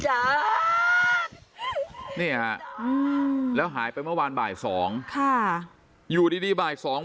จ้านไปแล้วหายไปเมื่อวานบ่างสองอยู่ดีบ่างสอง